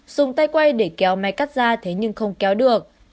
dùng tay quay để kéo máy cắt ra thế nhưng không kéo được